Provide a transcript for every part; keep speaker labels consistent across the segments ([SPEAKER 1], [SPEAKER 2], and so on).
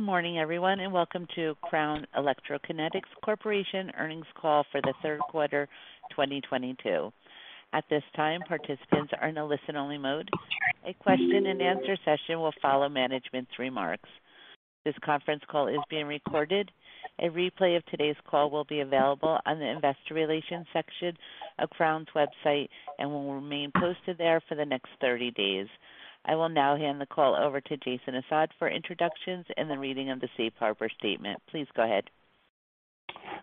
[SPEAKER 1] Good morning, everyone, and welcome to Crown Electrokinetics Corporation earnings call for the third quarter 2022. At this time, participants are in a listen-only mode. A question-and-answer session will follow management's remarks. This conference call is being recorded. A replay of today's call will be available on the investor relations section of Crown's website and will remain posted there for the next 30 days. I will now hand the call over to Jason Assad for introductions and the reading of the Safe Harbor statement. Please go ahead.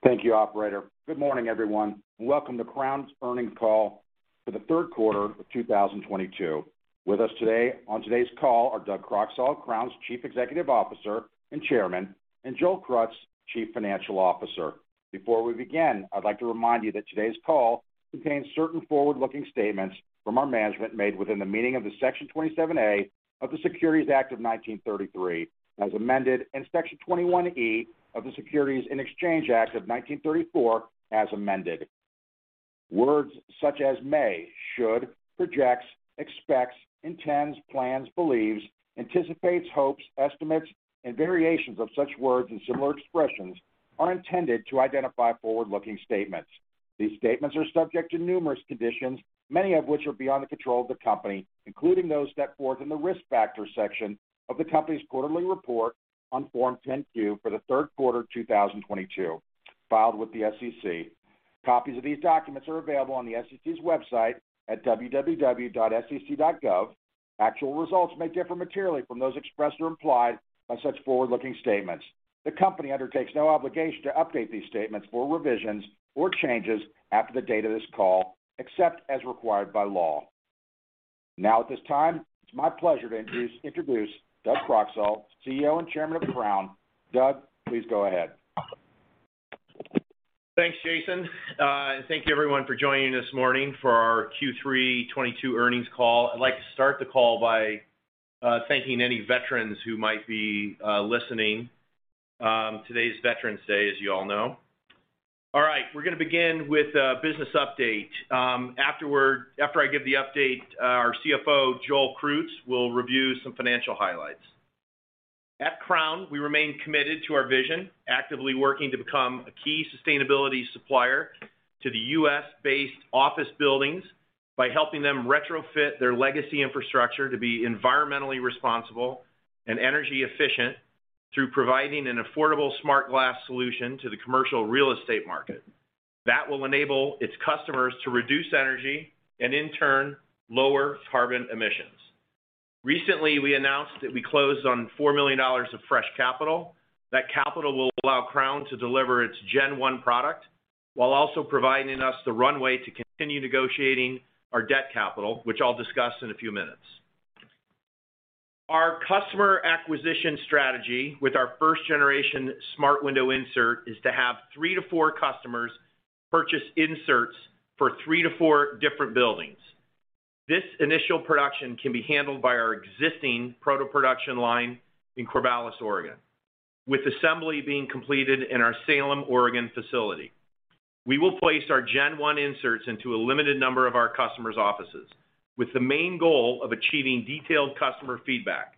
[SPEAKER 2] Thank you, operator. Good morning, everyone. Welcome to Crown's earnings call for the third quarter of 2022. With us today, on today's call are Doug Croxall, Crown's Chief Executive Officer and Chairman, and Joel Krutz, Chief Financial Officer. Before we begin, I'd like to remind you that today's call contains certain forward-looking statements from our management made within the meaning of Section 27A of the Securities Act of 1933, as amended, and Section 21E of the Securities Exchange Act of 1934, as amended. Words such as may, should, projects, expects, intends, plans, believes, anticipates, hopes, estimates, and variations of such words and similar expressions are intended to identify forward-looking statements. These statements are subject to numerous conditions, many of which are beyond the control of the company, including those set forth in the Risk Factors section of the company's quarterly report on Form 10-Q for the third quarter 2022 filed with the SEC. Copies of these documents are available on the SEC's website at www.sec.gov. Actual results may differ materially from those expressed or implied by such forward-looking statements. The company undertakes no obligation to update these statements or revisions or changes after the date of this call, except as required by law. Now, at this time, it's my pleasure to introduce Doug Croxall, CEO and Chairman of Crown. Doug, please go ahead.
[SPEAKER 3] Thanks, Jason. Thank you everyone for joining this morning for our Q3 2022 earnings call. I'd like to start the call by thanking any veterans who might be listening. Today is Veterans Day, as you all know. All right, we're gonna begin with a business update. After I give the update, our CFO, Joel Krutz, will review some financial highlights. At Crown, we remain committed to our vision, actively working to become a key sustainability supplier to the U.S.-based office buildings by helping them retrofit their legacy infrastructure to be environmentally responsible and energy efficient through providing an affordable smart glass solution to the commercial real estate market. That will enable its customers to reduce energy and in turn, lower carbon emissions. Recently, we announced that we closed on $4 million of fresh capital. That capital will allow Crown to deliver its Gen 1 product while also providing us the runway to continue negotiating our debt capital, which I'll discuss in a few minutes. Our customer acquisition strategy with our first generation Smart Window Insert is to have three to four customers purchase inserts for three to four different buildings. This initial production can be handled by our existing proto-production line in Corvallis, Oregon, with assembly being completed in our Salem, Oregon facility. We will place our Gen 1 inserts into a limited number of our customers' offices, with the main goal of achieving detailed customer feedback,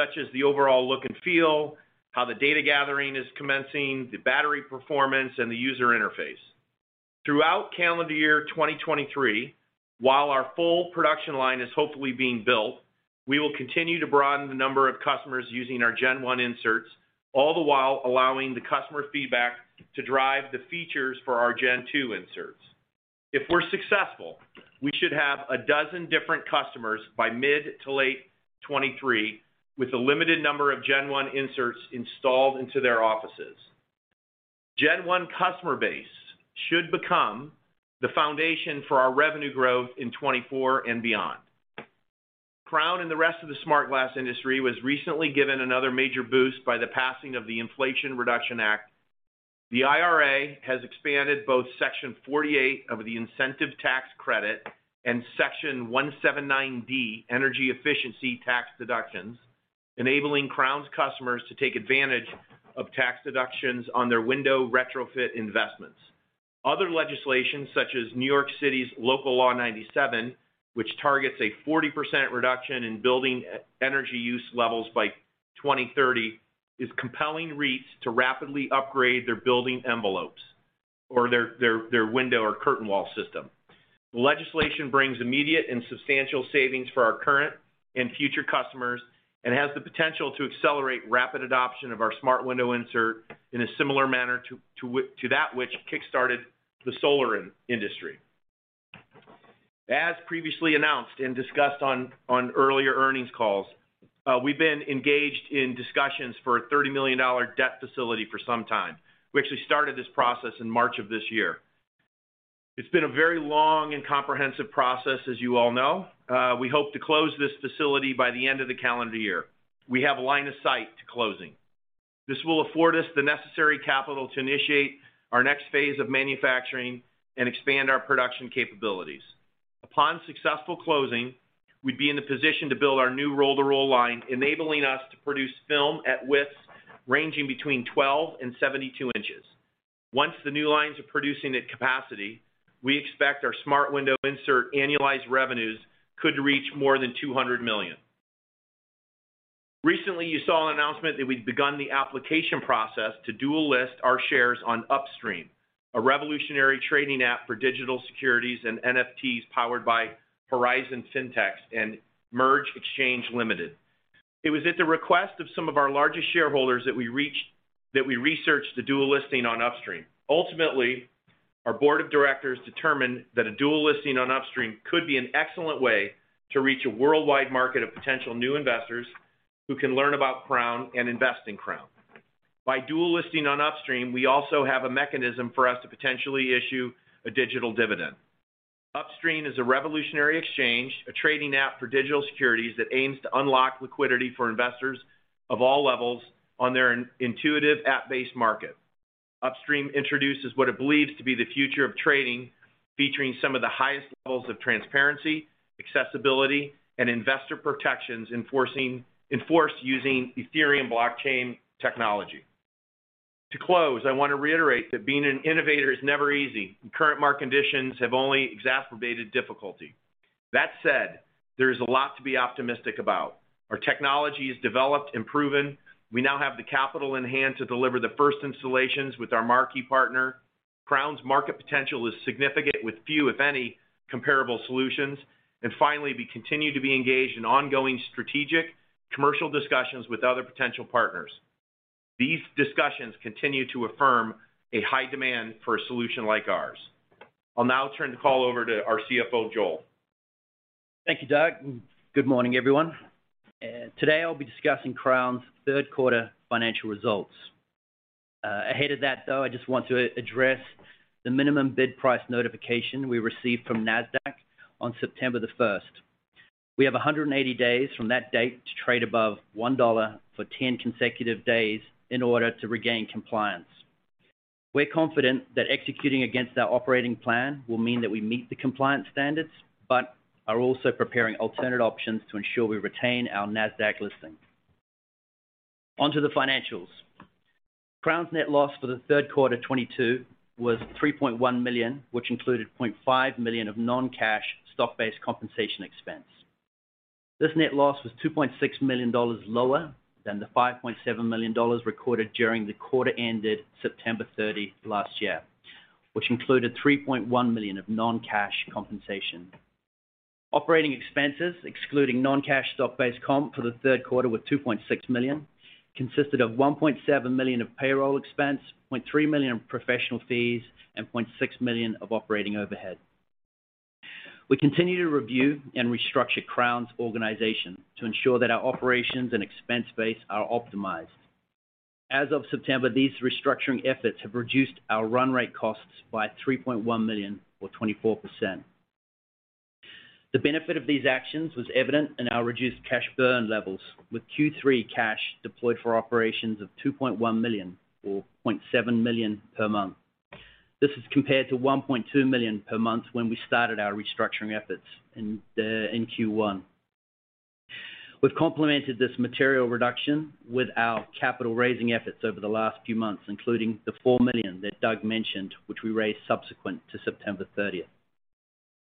[SPEAKER 3] such as the overall look and feel, how the data gathering is commencing, the battery performance, and the user interface. Throughout calendar year 2023, while our full production line is hopefully being built, we will continue to broaden the number of customers using our Gen 1 inserts, all the while allowing the customer feedback to drive the features for our Gen 2 inserts. If we're successful, we should have a dozen different customers by mid to late 2023, with a limited number of Gen 1 inserts installed into their offices. Gen 1 customer base should become the foundation for our revenue growth in 2024 and beyond. Crown and the rest of the smart glass industry was recently given another major boost by the passing of the Inflation Reduction Act. The IRA has expanded both Section 48 of the investment tax credit and Section 179D, energy efficiency tax deductions, enabling Crown's customers to take advantage of tax deductions on their window retrofit investments. Other legislations, such as New York City's Local Law 97, which targets a 40% reduction in building energy use levels by 2030, is compelling REITs to rapidly upgrade their building envelopes or their window or curtain wall system. The legislation brings immediate and substantial savings for our current and future customers and has the potential to accelerate rapid adoption of our smart window insert in a similar manner to that which kickstarted the solar industry. As previously announced and discussed on earlier earnings calls, we've been engaged in discussions for a $30 million debt facility for some time. We actually started this process in March of this year. It's been a very long and comprehensive process, as you all know. We hope to close this facility by the end of the calendar year. We have line of sight to closing. This will afford us the necessary capital to initiate our next phase of manufacturing and expand our production capabilities. Upon successful closing, we'd be in the position to build our new roll-to-roll line, enabling us to produce film at widths ranging between 12-72 inches. Once the new lines are producing at capacity, we expect our Smart Window Insert annualized revenues could reach more than $200 million. Recently, you saw an announcement that we'd begun the application process to dual list our shares on Upstream, a revolutionary trading app for digital securities and NFTs powered by Horizon Fintex and MERJ Exchange Limited. It was at the request of some of our largest shareholders that we researched the dual listing on Upstream. Ultimately, our board of directors determined that a dual listing on Upstream could be an excellent way to reach a worldwide market of potential new investors who can learn about Crown and invest in Crown. By dual listing on Upstream, we also have a mechanism for us to potentially issue a digital dividend. Upstream is a revolutionary exchange, a trading app for digital securities that aims to unlock liquidity for investors of all levels on their intuitive app-based market. Upstream introduces what it believes to be the future of trading, featuring some of the highest levels of transparency, accessibility, and investor protections enforced using Ethereum blockchain technology. To close, I want to reiterate that being an innovator is never easy, and current market conditions have only exacerbated difficulty. That said, there is a lot to be optimistic about. Our technology is developed and proven. We now have the capital in hand to deliver the first installations with our marquee partner. Crown's market potential is significant, with few, if any, comparable solutions. Finally, we continue to be engaged in ongoing strategic commercial discussions with other potential partners. These discussions continue to affirm a high demand for a solution like ours. I'll now turn the call over to our CFO, Joel.
[SPEAKER 4] Thank you, Doug, and good morning, everyone. Today I'll be discussing Crown's third quarter financial results. Ahead of that, though, I just want to address the minimum bid price notification we received from Nasdaq on September the first. We have 180 days from that date to trade above $1 for 10 consecutive days in order to regain compliance. We're confident that executing against our operating plan will mean that we meet the compliance standards, but are also preparing alternate options to ensure we retain our Nasdaq listing. On to the financials. Crown's net loss for the third quarter 2022 was $3.1 million, which included $0.5 million of non-cash stock-based compensation expense. This net loss was $2.6 million lower than the $5.7 million recorded during the quarter ended September 30 last year, which included $3.1 million of non-cash compensation. Operating expenses, excluding non-cash stock-based comp for the third quarter, with $2.6 million, consisted of $1.7 million of payroll expense, $0.3 million in professional fees, and $0.6 million of operating overhead. We continue to review and restructure Crown's organization to ensure that our operations and expense base are optimized. As of September, these restructuring efforts have reduced our run rate costs by $3.1 million or 24%. The benefit of these actions was evident in our reduced cash burn levels, with Q3 cash deployed for operations of $2.1 million or $0.7 million per month. This is compared to $1.2 million per month when we started our restructuring efforts in Q1. We've complemented this material reduction with our capital raising efforts over the last few months, including the $4 million that Doug mentioned, which we raised subsequent to September 30th.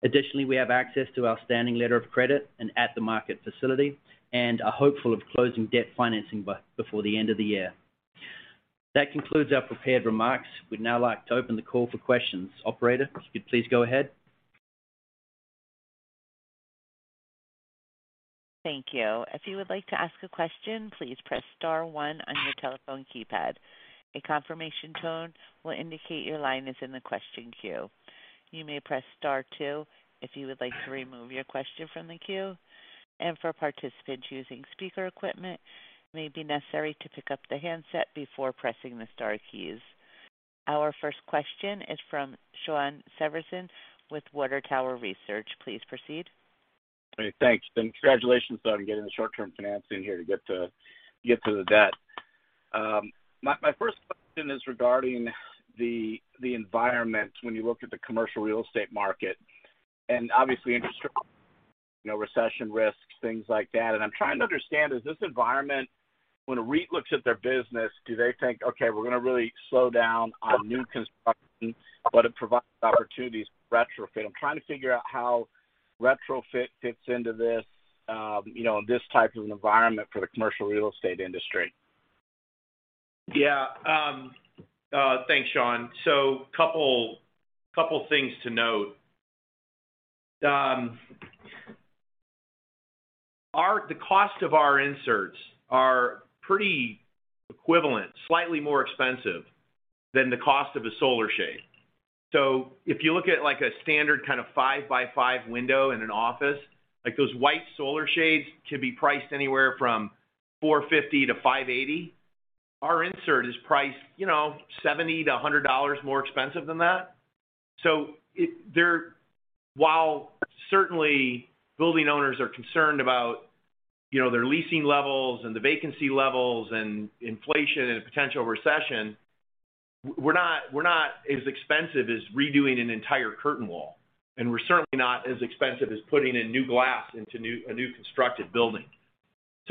[SPEAKER 4] Additionally, we have access to our standing letter of credit and at-the-market facility and are hopeful of closing debt financing before the end of the year. That concludes our prepared remarks. We'd now like to open the call for questions. Operator, if you could please go ahead.
[SPEAKER 1] Thank you. If you would like to ask a question, please press star one on your telephone keypad. A confirmation tone will indicate your line is in the question queue. You may press star two if you would like to remove your question from the queue. For participants using speaker equipment, it may be necessary to pick up the handset before pressing the star keys. Our first question is from Shawn Severson with Water Tower Research. Please proceed.
[SPEAKER 5] Hey, thanks, and congratulations on getting the short-term financing here to get to the debt. My first question is regarding the environment when you look at the commercial real estate market and obviously interest rates, you know, recession risks, things like that. I'm trying to understand, is this environment, when a REIT looks at their business, do they think, "Okay, we're gonna really slow down on new construction, but it provides opportunities for retrofit." I'm trying to figure out how retrofit fits into this, in this type of an environment for the commercial real estate industry.
[SPEAKER 3] Yeah. Thanks, Shawn. Couple things to note. The cost of our inserts are pretty equivalent, slightly more expensive than the cost of a solar shade. If you look at, like, a standard kind of five-by-five window in an office, like, those white solar shades could be priced anywhere from $450-$580. Our insert is priced, you know, $70-$100 more expensive than that. While certainly building owners are concerned about, you know, their leasing levels and the vacancy levels and inflation and potential recession, we're not as expensive as redoing an entire curtain wall, and we're certainly not as expensive as putting in new glass into a new constructed building.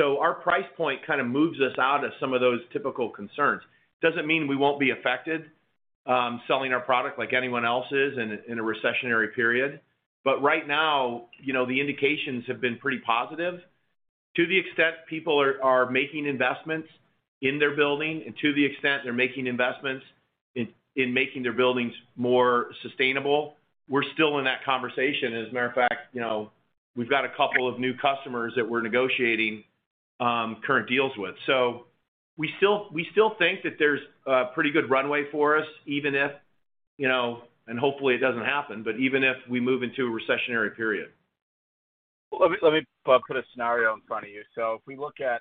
[SPEAKER 3] Our price point kind of moves us out of some of those typical concerns. Doesn't mean we won't be affected, selling our product like anyone else is in a recessionary period. Right now, you know, the indications have been pretty positive. To the extent people are making investments in their building and to the extent they're making investments in making their buildings more sustainable, we're still in that conversation. As a matter of fact, you know, we've got a couple of new customers that we're negotiating current deals with. We still think that there's a pretty good runway for us, even if, you know, and hopefully it doesn't happen, but even if we move into a recessionary period.
[SPEAKER 5] Let me put a scenario in front of you. If we look at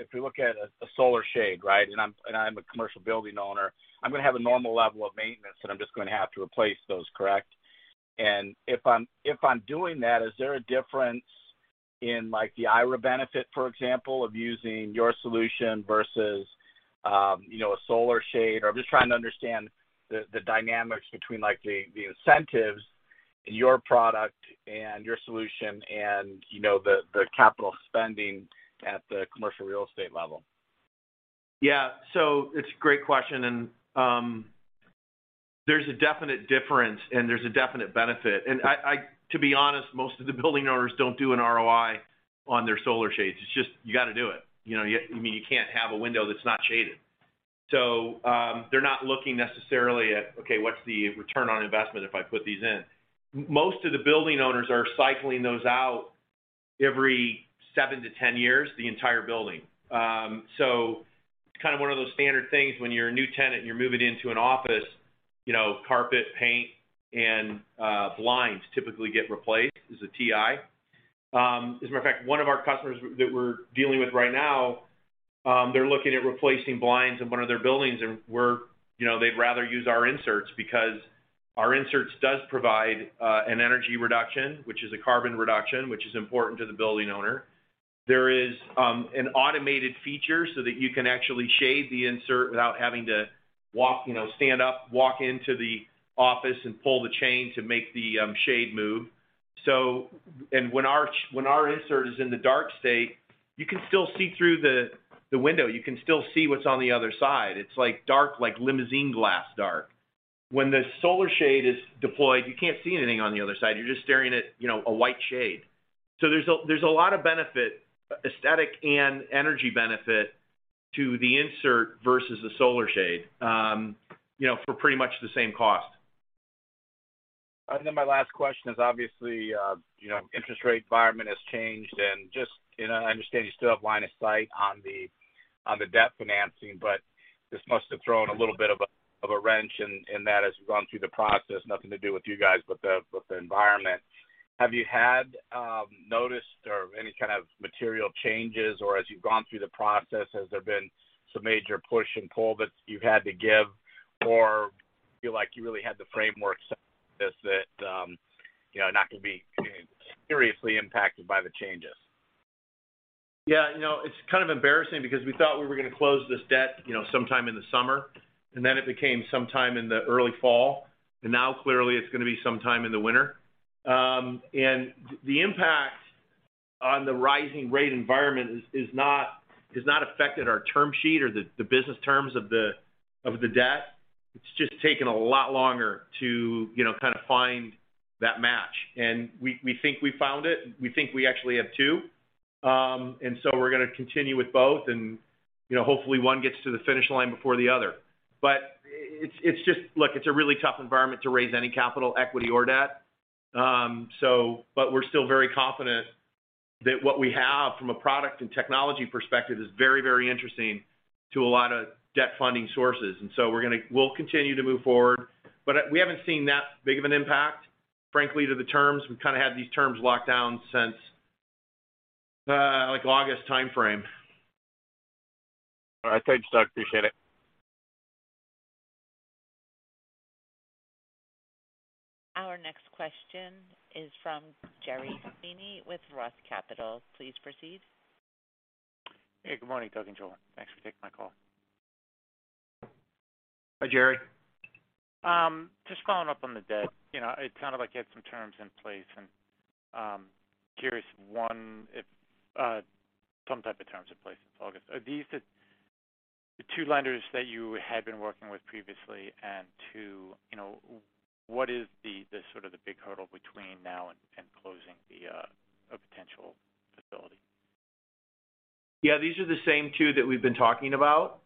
[SPEAKER 5] a solar shade, right, and I'm a commercial building owner, I'm gonna have a normal level of maintenance, and I'm just gonna have to replace those, correct? If I'm doing that, is there a difference in, like, the IRA benefit, for example, of using your solution versus, you know, a solar shade? I'm just trying to understand the dynamics between, like, the incentives, your product and your solution and, you know, the capital spending at the commercial real estate level.
[SPEAKER 3] Yeah. It's a great question, and there's a definite difference, and there's a definite benefit. To be honest, most of the building owners don't do an ROI on their solar shades. It's just you got to do it, you know. I mean, you can't have a window that's not shaded. They're not looking necessarily at, okay, what's the return on investment if I put these in? Most of the building owners are cycling those out every seven to 10 years, the entire building. It's kind of one of those standard things when you're a new tenant and you're moving into an office, you know, carpet, paint, and blinds typically get replaced as a TI. As a matter of fact, one of our customers that we're dealing with right now, they're looking at replacing blinds in one of their buildings, and you know, they'd rather use our inserts because our inserts does provide an energy reduction, which is a carbon reduction, which is important to the building owner. There is an automated feature so that you can actually shade the insert without having to walk, you know, stand up, walk into the office and pull the chain to make the shade move. When our insert is in the dark state, you can still see through the window. You can still see what's on the other side. It's like dark, like limousine glass dark. When the solar shade is deployed, you can't see anything on the other side. You're just staring at, you know, a white shade. There's a lot of benefit, aesthetic and energy benefit to the insert versus the solar shade, you know, for pretty much the same cost.
[SPEAKER 5] My last question is obviously, you know, interest rate environment has changed. Just, you know, I understand you still have line of sight on the debt financing, but this must have thrown a little bit of a wrench in that as you've gone through the process. Nothing to do with you guys, but the environment. Have you noticed or any kind of material changes? As you've gone through the process, has there been some major push and pull that you've had to give or feel like you really had the framework such that, you know, not gonna be seriously impacted by the changes?
[SPEAKER 3] Yeah. You know, it's kind of embarrassing because we thought we were gonna close this debt, you know, sometime in the summer, and then it became sometime in the early fall, and now clearly it's gonna be sometime in the winter. The impact on the rising rate environment is not affected our term sheet or the business terms of the debt. It's just taken a lot longer to, you know, kind of find that match. We think we found it. We think we actually have two. We're gonna continue with both and, you know, hopefully one gets to the finish line before the other. It's just look, it's a really tough environment to raise any capital, equity or debt. We're still very confident that what we have from a product and technology perspective is very, very interesting to a lot of debt funding sources. We'll continue to move forward, but we haven't seen that big of an impact, frankly, to the terms. We've kind of had these terms locked down since, like August timeframe.
[SPEAKER 5] All right. Thanks, Doug. Appreciate it.
[SPEAKER 1] Our next question is from Gerry Sweeney with ROTH Capital. Please proceed.
[SPEAKER 6] Hey, good morning, Doug and Joel. Thanks for taking my call.
[SPEAKER 3] Hi, Gerry.
[SPEAKER 6] Just following up on the debt. You know, it sounded like you had some terms in place. Curious, one, if some type of terms in place since August. Are these the two lenders that you had been working with previously? Two, you know, what is the sort of big hurdle between now and closing a potential facility?
[SPEAKER 3] Yeah, these are the same two that we've been talking about.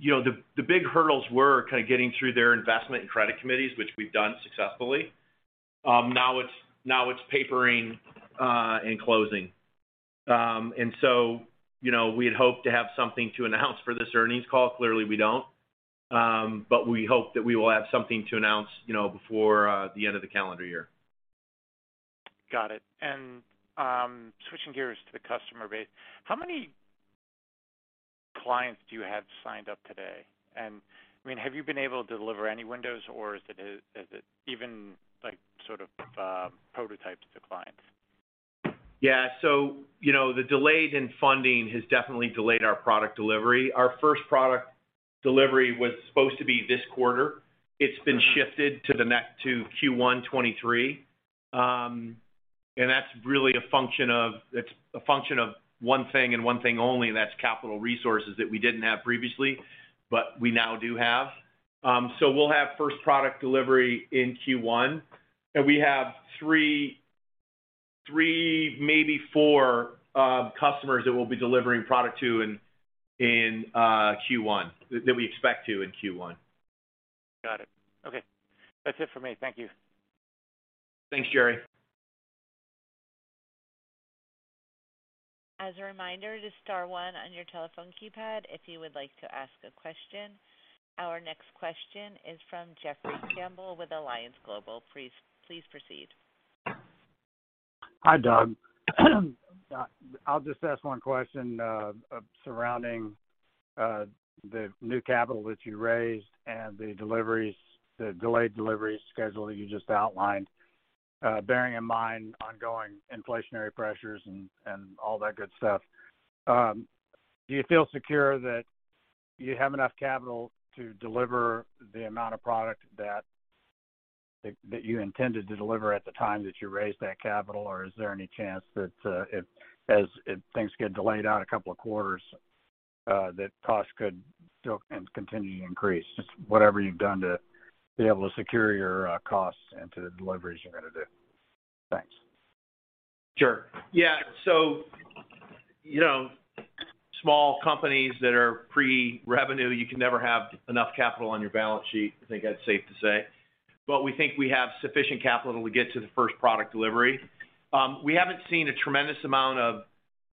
[SPEAKER 3] You know, the big hurdles were kind of getting through their investment and credit committees, which we've done successfully. Now it's papering and closing. You know, we had hoped to have something to announce for this earnings call. Clearly, we don't. We hope that we will have something to announce, you know, before the end of the calendar year.
[SPEAKER 6] Got it. Switching gears to the customer base. How many clients do you have signed up today? I mean, have you been able to deliver any windows or has it even, like, sort of, prototypes to clients?
[SPEAKER 3] Yeah, you know, the delays in funding has definitely delayed our product delivery. Our first product delivery was supposed to be this quarter. It's been shifted to Q1 2023. That's really a function of one thing and one thing only, and that's capital resources that we didn't have previously, but we now do have. We'll have first product delivery in Q1, and we have three, maybe four, customers that we'll be delivering product to in Q1, that we expect to in Q1.
[SPEAKER 6] Got it. Okay. That's it for me. Thank you.
[SPEAKER 3] Thanks, Gerry.
[SPEAKER 1] As a reminder to star one on your telephone keypad if you would like to ask a question. Our next question is from Jeffrey Campbell with Alliance Global. Please proceed.
[SPEAKER 7] Hi, Doug. I'll just ask one question surrounding the new capital that you raised and the deliveries, the delayed delivery schedule that you just outlined. Bearing in mind ongoing inflationary pressures and all that good stuff, do you feel secure that you have enough capital to deliver the amount of product that you intended to deliver at the time that you raised that capital? Or is there any chance that as things get delayed out a couple of quarters, that costs could still continue to increase? Whatever you've done to be able to secure your costs and to the deliveries you're gonna do. Thanks.
[SPEAKER 3] Sure. Yeah. You know, small companies that are pre-revenue, you can never have enough capital on your balance sheet. I think that's safe to say. We think we have sufficient capital to get to the first product delivery. We haven't seen a tremendous amount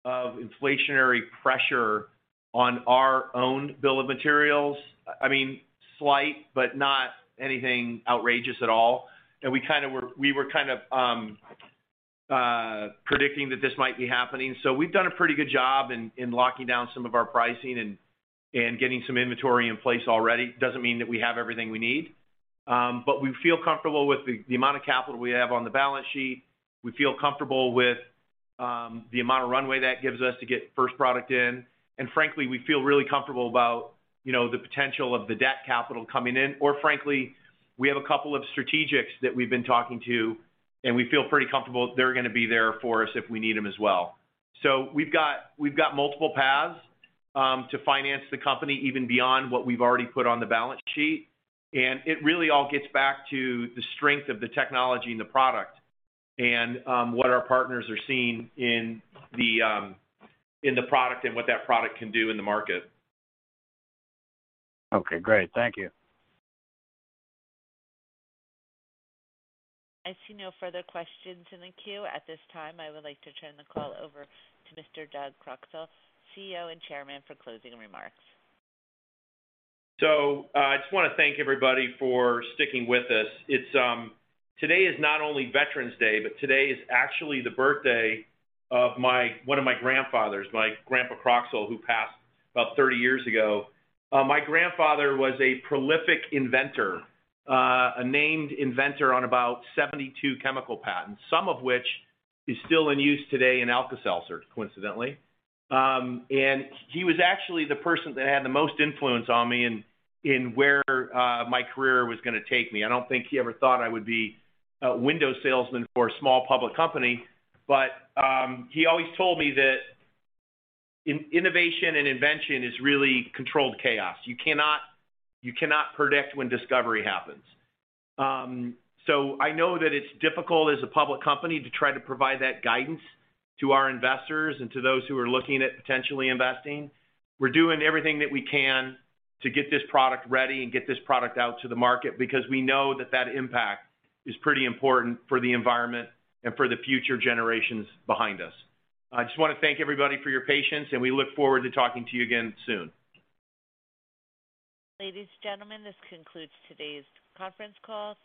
[SPEAKER 3] of inflationary pressure on our own bill of materials. I mean, slight, but not anything outrageous at all. We were kind of predicting that this might be happening. We've done a pretty good job in locking down some of our pricing and getting some inventory in place already. Doesn't mean that we have everything we need. We feel comfortable with the amount of capital we have on the balance sheet. We feel comfortable with the amount of runway that gives us to get first product in. Frankly, we feel really comfortable about, you know, the potential of the debt capital coming in. Frankly, we have a couple of strategics that we've been talking to, and we feel pretty comfortable they're gonna be there for us if we need them as well. We've got multiple paths to finance the company, even beyond what we've already put on the balance sheet. It really all gets back to the strength of the technology and the product and what our partners are seeing in the product and what that product can do in the market.
[SPEAKER 7] Okay, great. Thank you.
[SPEAKER 1] I see no further questions in the queue at this time. I would like to turn the call over to Mr. Doug Croxall, CEO and Chairman, for closing remarks.
[SPEAKER 3] I just wanna thank everybody for sticking with us. It's today is not only Veterans Day, but today is actually the birthday of one of my grandfathers, my grandpa Croxall, who passed about 30 years ago. My grandfather was a prolific inventor, a named inventor on about 72 chemical patents, some of which is still in use today in Alka-Seltzer, coincidentally. He was actually the person that had the most influence on me in where my career was gonna take me. I don't think he ever thought I would be a window salesman for a small public company. He always told me that innovation and invention is really controlled chaos. You cannot predict when discovery happens. I know that it's difficult as a public company to try to provide that guidance to our investors and to those who are looking at potentially investing. We're doing everything that we can to get this product ready and get this product out to the market, because we know that that impact is pretty important for the environment and for the future generations behind us. I just wanna thank everybody for your patience, and we look forward to talking to you again soon.
[SPEAKER 1] Ladies, gentlemen, this concludes today's conference call. Thank you.